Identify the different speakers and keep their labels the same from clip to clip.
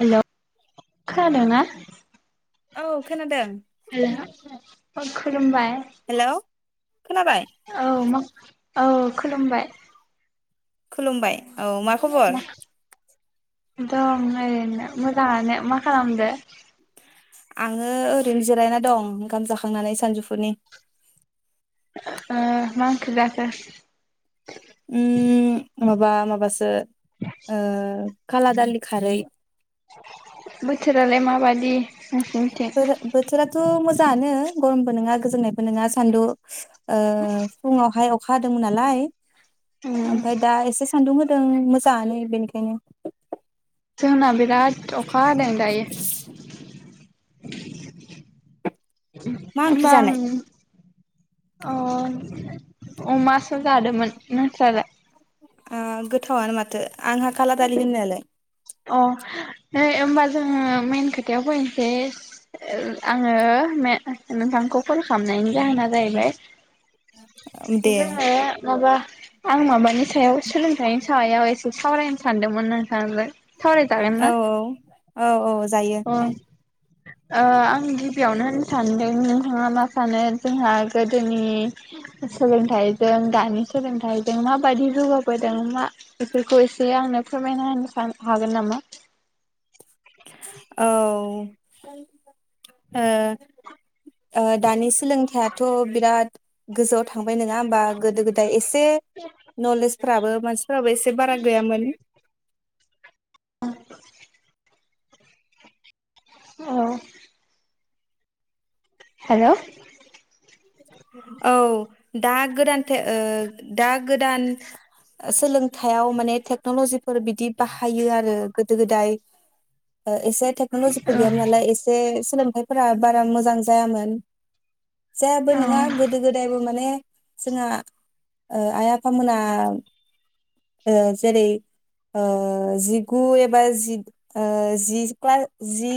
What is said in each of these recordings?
Speaker 1: हेल' खोनादोंना
Speaker 2: औ खोनादों
Speaker 1: हेल'। खुलुमबाय।
Speaker 2: हेलौ खोनाबाय।
Speaker 1: औ मा औ खुलुमबाय।
Speaker 2: खुलुमबाय। औ मा खबर?
Speaker 1: दं ओरैनो मोजाङानो मा खालामदो?
Speaker 2: आङो ओरैनो जिरायना दं ओंखाम जाखांनानै सानजौफुनि।
Speaker 1: ओ मा ओंख्रि जाखो?
Speaker 2: उम। माबा माबासो ओ काला दालि खारै।
Speaker 1: बोथोरालाय माबादि? [unintelligible]
Speaker 2: थ' मोजाङानो गरमबो नङा गोजांनायबो नङा सानदु ओ फुङावहाय अखा हादोंमोन नालाय
Speaker 1: उम
Speaker 2: ओमफाय दा एसे सान्दुं होदों मोजाङानो बेनिखायनो
Speaker 1: जोंनाव बिराद अखा हादों दायो। [inaudible]
Speaker 2: मा ओंख्रि
Speaker 1: ओमबा आं
Speaker 2: जानाय
Speaker 1: अ अमासो जादोमोन नोंस्रालाय?
Speaker 2: ओ गोथावनो माथो आंहा खालादालि होननायालाय।
Speaker 1: अ नै होमबा जोङो मेेन खोथायाव फैनोसै आङो मे नोंथांखौ कल खालामनायनि जाहोना जाहैबाय
Speaker 2: दे
Speaker 1: जोङो माबा आं माबानि सायाव सोलोंथाइनि सायाव एसे सावराय सानदोंमोन नो [unintelligible]
Speaker 2: औ औ औ औ जायो
Speaker 1: अ ओ आं गिबियावनो होननो सानदों नोंथाङा मा सानो जोंहा गोदोनि सोलोंथाइजों दानि सोलोंथाइजों माबादि जौगाबोदों मा बेफोरखौ एसे आंनो फोरमायना होनो सानो हागोन नामा?
Speaker 2: औ ओ ओ दानि सोलोंथाइथ बिराद गोजौआव थांबाय नङा होमबा गोदो गोदाय एस से नलेजफ्राबो मानसिफोराबो एसे बारा गैयामोन
Speaker 1: औ औ हेल
Speaker 2: औ दा गोदान थाय ओ दा गोदान सोलोंथायाइयाव माने टेक्नलजिफोर बिदि बाहायो आरो गोदो गोदाय ओ एसे टेकनलजि
Speaker 1: औ
Speaker 2: गोयामोन नालाय एसे सोलों थायफोरा बारा मोजां जायामोन जे बो
Speaker 1: औ
Speaker 2: नङा गोदो गोदायबो माने जोंहा ओ आइ आफामोना ओ जेरै ओ जिगु एबा जि ओ जि क्लास जि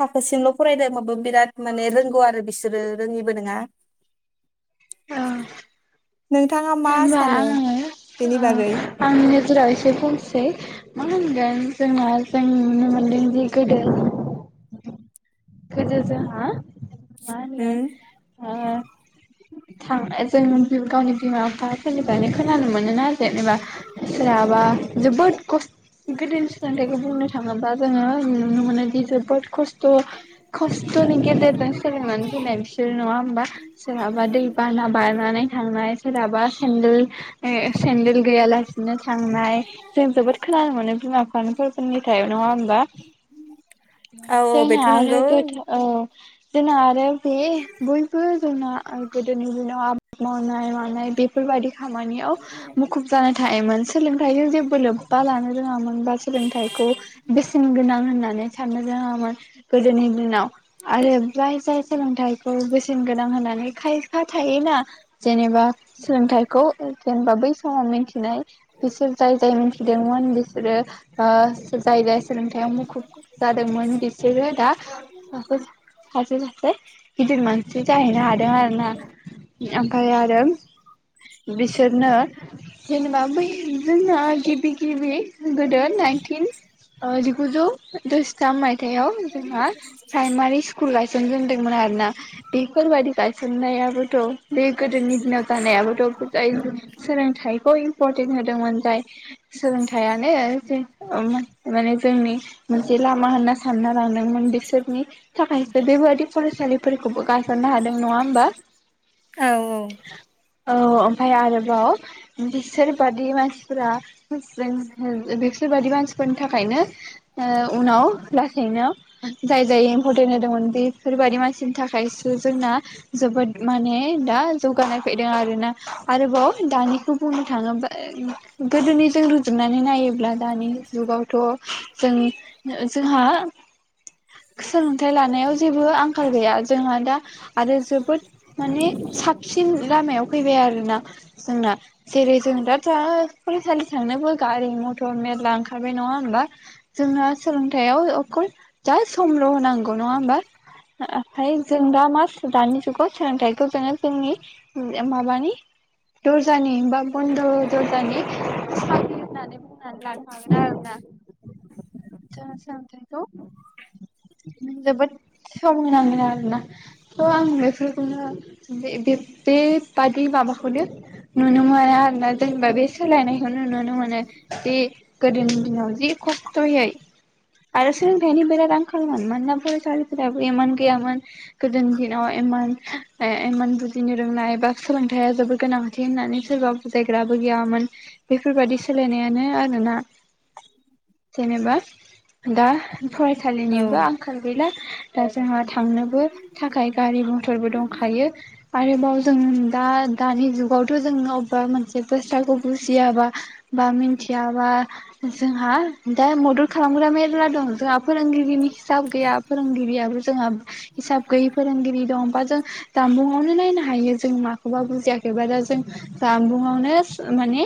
Speaker 2: थाखोसिमल फरायदोंबाबो बिराद माने रोंगौ आरो बिसोरो रोङिबो नङा
Speaker 1: औ
Speaker 2: नोंथाङा मा
Speaker 1: होनबा
Speaker 2: सानो बेनि
Speaker 1: आङो
Speaker 2: बागै
Speaker 1: आंनि नोजोराव एसे बुंंसै मा होन ओं जोंना जों नुनो मोनदोंदि गोदो गोदो जोंहा मा होनगोन
Speaker 2: उम
Speaker 1: आ थां जों गावनि बिमा बिफाफोरनिफ्रायनो खोनानो मोनोना जेनेबा सोरहाबा जोबोद खस्थ गोदो सोलोंथाइखौ बुंनो थाङोब्ला जोङो नुनो मोनो दि जोबोद खस
Speaker 2: [inaudible]
Speaker 1: खस्थ'नि गेदेरजों सोलोंनानै फैनाय बिसोर नङा होमबा सोरहाबा दै बाना बारनानै थांनाय सोरहाबा सेन्देल सेन्देल गैयालासिनो थांनाय जों जोबोद खोनानो मोनो बिमा बिफाफोरनि थाय नङा होमबा
Speaker 2: औ औ बेथ' नंगौ
Speaker 1: थोथ औ जोंना आरो बे बयबो जोंना गोदोनि दिनाव आबाद माव खुनाय हानाय बेफोरबायदि खामानियाव मुखुब जा थायोमोन सोलोंथाइजों जेबो लोब्बा लानो रोङामोन बा सोलोंथाइखौ बेसेन गोनां होननानै साननो रोङामोन [unintelligible] नाव आरो जाय जाय सोलोंथाइखौ बेसेन गोनां होननानै खायफा थायो ना जेनेबा सोलोंथाइखौ जेनेबा बै समाव मिथिनाय बिसोर जाय जाय मिन्थिदोंमोन बिसोरो ओ जाय जाय सोलोंथायाइयाव मुखुब जादोंमोन बिसोरो दा सासे सासे सासे गिदिर मानसि जाहैनो हादों आरोना ओमफाय आरो बिसोरनो जेनेबा बै जोंना गिबि गिबि गोदो नाइनटिन ओ जिगुजौ द'जिथाम माय थाइयाव जोंहा प्राइमारि स्कुलाय जोंजोंदोंमोन आरो ना बेफोरबायदि गायसननायाबो थ' बे गोदोनि दिनाव जानायाबोथ'जाय सोलोंथाइखौ फरटेन होदोंमोन जाय सोलोंथाइानो जे ओम माने जोंनि मोनसे लामा होनना सानना लांदोंमोन बिसोर नि थाखायसो बेबादि फरायसालिफोरखौबो गायसननो हादों नङा होमबा?
Speaker 2: औ
Speaker 1: [inaudible] औ ओमफाय आरोबाव बिसोरबादि मानसिफोरा [unintelligible] बिसोरबादि मानसिफोरनि थाखायनो ओ उनाव लासैनो जाय जाय इम्परटेन्ट होदोंमोन बेफोरबायादि मानसिनि थाखायसो जोंना जोबोद माने दा जौगानाय फैदों आरोना आरोबाव दानिखौ बुंनो थाङोबा गोदोनिजों रुजुनानै नायोब्ला दानि जुगावथ' जों ओ जोंहा सोलोंथाइ लानायाव जेबो आंखाल गैया जोंहा दा आरो जोबोद माने साबसिन लामायाव फैबाय आरोना जोंना जेरै जों दा दा फरायसालि थांनोबो गारि मथर मेरला ओंखारबाय नङा होमबा जोंना सोलोंथायाव अकल जा समल' होन नांगौ नङा होमबा ओमफाय जों दा मास दानि जुगाव सोलोंथाइखौ जोङो जोंनि माबानि दर्जानि बा बन्द' दर्जानि साख्रि होननानै बुंनानै लानो हागोन आरोना जों सोलोंथाइखौ जोबोद सम होनांगोन आरो [unintelligible] बेफोरखौनो बे बे बेबादि माबाखौनो नुनो मोनो आरोना जेनेबा बे सोलायनायखौनो नुनो मोनो जे गोदोनि दिनाव जि खस्थ'यै आरो सोलोंथाइनि बिराद आंखालमोन मानोना फरायसालिफोराबो इमान गैयामोन गोदो दिनाव इमान ए इमान बुर बुजिनो रोंनाय एबा सोलोंथाया जोबोर गोनांथि होननानै सोरबा बुजायग्राबो गैयामोन बेफोरबायदि सोलायनायानो आरोना जेनोबा दा फराय
Speaker 2: औ
Speaker 1: निबो आंखाल गैला [unintelligible] दा जोंहा थांनोबो थाखाय गारि मथरबो दंखायो आरोबाव जों दा दानि जुगावथ' जों अबेबा मोनसे बास्राखौ बुजियाबा बा मिथियाबा जोंहा दा मदद खालामग्रा मेरला दं फोरोंगिरिनि हिसाब गैया फोरोंगिरियाबो जोंहा हिसाब गैयै फोरोंगिरि दं बा जों जामबुं [unintelligible] हायो जों माखौबा बुजियाखैबा दा जों जामबुंआवनो माने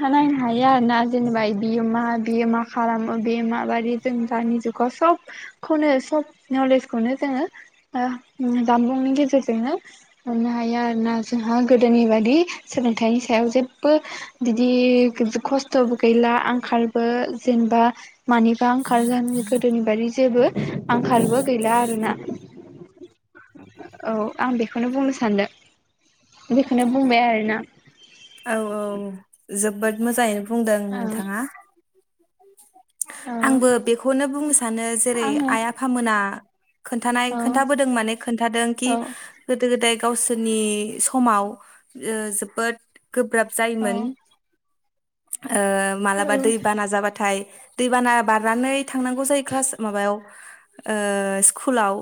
Speaker 1: नायनो हायो आरोना जेनेबा बियो मा बियो मा खालामो बे माबायदि जों जानि जुगव सबखौनो सब नलेजखौनो जोङो ओ जानबुंनि गेजेरजोंनो मोननो हायो आरोना जोंहा गोदोनि बादि सोलोंथाइनि सायाव जेबो बिदि खस्थ'बो गैला आंखालबो जेनबा मानिबा आंखाल जानो गोदोनि बारि जेबो आंखालबो गैला आरोना। औ आं बेखौनो बुंनो सानदों। बेखौनो बुंबाय आरोना।
Speaker 2: औ औ जोब्बोद मोजाङैनो बुंदों
Speaker 1: औ
Speaker 2: नोंथाङा।
Speaker 1: औ
Speaker 2: [inaudible] आंबो बेखौनो बुंनो सानो जेरै
Speaker 1: आङो
Speaker 2: आइ आफामोना खोन्थानाय
Speaker 1: औ
Speaker 2: खोन्थाबोदों माने खोन्थादों
Speaker 1: औ
Speaker 2: कि गोदो गोदाय गावसोरनि समाव ओ जोबोद गोब्राब जायोमोन।
Speaker 1: औ
Speaker 2: ओ
Speaker 1: बै
Speaker 2: मालाबा
Speaker 1: समाव
Speaker 2: दैबाना जाबाथाय दैबाना बारनानै थांनांगौ जायो क्लास माबायाव ओ स स्कुलाव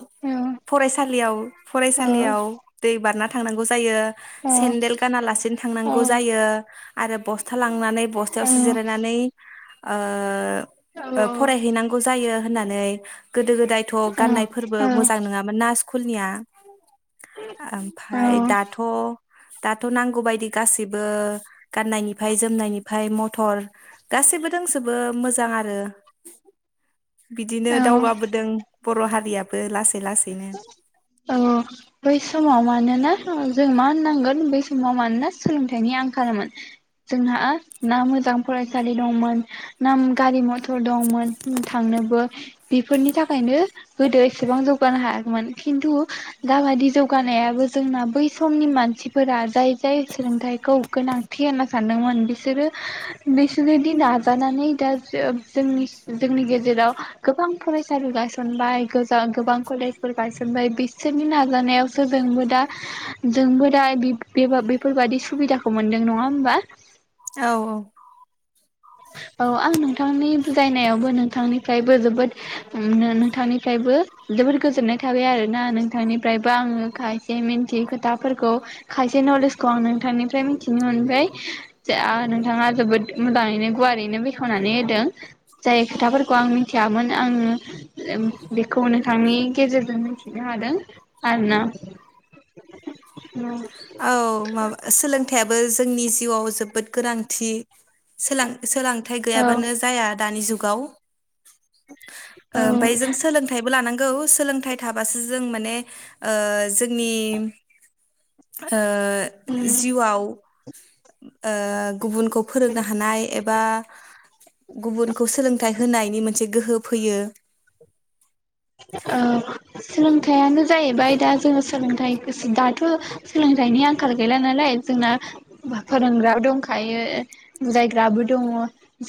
Speaker 2: फरायसालियाव फरायसालियाव दै बारना थांनांगौ जायो सेन्देल गानालासेनो थांनां गौ जायो। आरो बस्था लांनानै बस्थायावसो जेरायनानै ओ ओ फरायहैनांगौ जायो। होननानै। गोदो गोदायथ' गाननायफोरबो मोजां नोङामोन नास खुलनिया। ओमफाय दाथ' दाथ' नांगौ बायदि गासैबो गाननायनिफाय जोमनायनिफाय मथर गासैबो दोंजोबो मोजां आरो बिदिनो दावगाबोदों। बर' हारियाबो लासै लासैनो।
Speaker 1: औ बै समाव मानोना जों मा होननांगोन बे समाव मानोना सोलोंथाइनि आंखालमोन जोंहा ना मोजां फरायसालि दंमोन ना गारि मथर दंमोन थांनोबो बेफोरनि थाखायनो गोदो एसेबां जौग जौ हायाखैमोन खिन्थु गाबादि जौगानायाबो जोंना बै समनि मानसिफोरा जाय जाय सोलोंथाइखौ गोनांथि होनना सानदोंमोन बिसोरो नसोरनिदि नाजानानै दा जोंनि जोंनि गेजेराव गोबां फरायसालि गायसनबाय गोजां गोबां कलेजफोर गायसनबाय बिसोरनि नाजानायावसो जोंबो दा जोंबो दा बेफोरबादि सुबिदाखौ मोनदों नंङा होमबा
Speaker 2: औ
Speaker 1: औ आं नोंथांनि बुजायनायावबो नोंथांनि निफ्रायबो जोबोद नोंथांनिफ्रायबो जोबोद गोजोननाय थाबाय आरोना नोंथांनिफ्रायबो आंङो खायसे मिथि खोथाफोरखौ खायसे नलेजखौ आं नोंथांनिफ्राय मिथिनो मोनबाय नोंथाङा जोबोद मोजांङैनो गुवारैनो बेखेवनानै होदों जाय खोथाफोरखौ आं मिथियामोन आंङो बेखौ नोंथांनि गेजेरजों मिथिनो हादों आरोना
Speaker 2: औ माबा सोलोंथाय बो जोंनि जिउआव जोबोद गोनांथि सोलोंथाइ
Speaker 1: औ
Speaker 2: गैयाबानो जाया दानि जुग गाव ओमफ्राय जों सोलोंथाइबो लानांगौ नंगौ सोलोंथाइ थाबासो ओ जों माने जोंनि ओ
Speaker 1: औ
Speaker 2: जिउआव ओ गुबुनखौ फोरोंनो हानाय एबा बा गुबुनखौ सोलोंथाइ होनायनि मोनसे गोहो फैयो
Speaker 1: ओ सोलोंथाइयानो जाहैबाय दा जोंङो सोलोंथाइ दाथ सोलोंथाइनि आंखाल गैला नालाय जोंना फोरोंग्राबो दंखायो बुजायग्राबो दंङ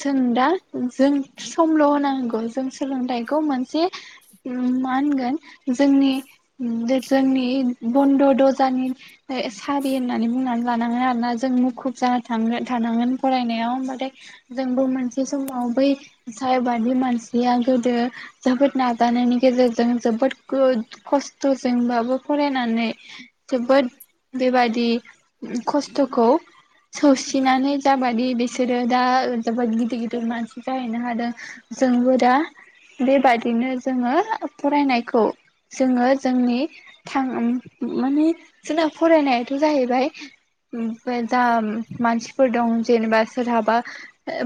Speaker 1: जों दा जों समल' होनांगौ जों सोलोंथाइखौ मोनसे उम मा होनगोन जोंनि जोंनि बन्द' दजानि सारि होननानै बुंनानै लानांगोन आरोना जों मुखुब जानानै थ थानांगोन फरायनायाव हबाथाय जोंबो मोनसे समाव बै साय बादलि मानसिया गोदो जोबोद ना जानायनि गेजेरजों जोबोद खस्थ'जोंबाबो फरायनानै जोबोद बेबादि खस्थ'खौ सौसिनानै जाबायि बिसोरो दा जोबोद गिदिर गिदिर मानसि जाहैनो हादों जोंबो दा बेबादिनो जोंङो फरायनायखौ जोंङो जोंनि थां माने जोंना फरायनायाथ' जाहैबाय जा मानसिफोर दं जेनेबा सोरहाबा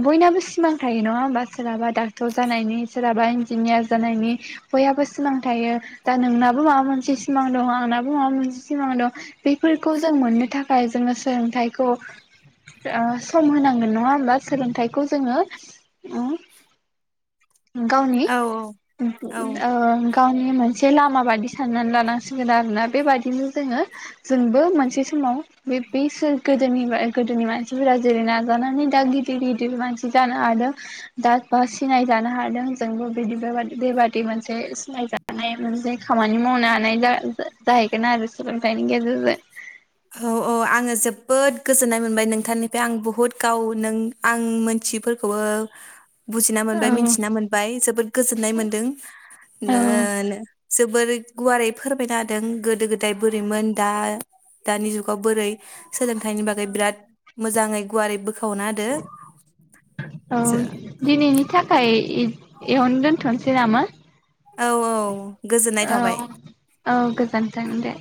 Speaker 1: बयनाबो सिमां थायो नंङा होमबा सोरहाबा डाक्टर जानायनि सोरहाबा इन्जिनियार जानायनि बयहाबो सिमां थायो दा नोंनाबो माबा मोनसे सिमां दं आंनाबो माबा मोनसे सिमां दं बेफोरखौ जों मोननो थाखाय जोंङो सोलोंथाइखौ ओ सम होनांगोन नंङा होमबा सोलोंथाइखौ जोंङो ओम गावनि
Speaker 2: औ
Speaker 1: औ गावनि मोनसे लामा बादि साननानै लानांसिगोन आरोना बेबायदिनो जोंङो जोंबो मोनसे समाव बे जोंनि बा गोदोनि मानसिफोरा जेरै नाजानानै दा गिदिर गिदिर मानसि जानो हादों दा बा सिनाय जानो हादों जोंबो बिदि जाबा बेबादि मोनसे सिनायजानाय मोनसे खामानि मावनो हानाय जा जाहैगोन आरो इसोरो। [unintelligible]
Speaker 2: औ औ आङो जोबोद गोजोननाय मोनबाय नोंथांनिफ्राय आं बुहुत गाव नों आं मोनथिफोरखौबो बुजिना
Speaker 1: औ
Speaker 2: मोनबाय मिथिना मोनबाय जोबोद गोजोननाय मोनदों
Speaker 1: औ
Speaker 2: नो नो जोबोरै गुवारै फोरमायना हादों गोदो गोदाय बोरैमोन दा दानि जुगाव बोरै सोलोंथाइनि बागै बिराद मोजाङै गुवारै बोखावना होदो।
Speaker 1: औ दिनैनि थाखाय एयावनो दोनथ'नोसै नामा?
Speaker 2: औ औ गोजोननाय थाबाय।
Speaker 1: औ औ गोजोन्थों दे।